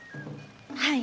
はい。